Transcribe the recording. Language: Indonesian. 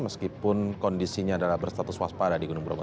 meskipun kondisinya adalah berstatus waspada di gunung bromo